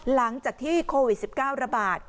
หลังจากที่โควิด๑๙ระบาด